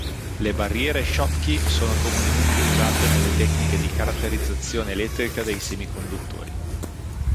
Le barriere Schottky sono comunemente usate nelle tecniche di caratterizzazione elettrica dei semiconduttori.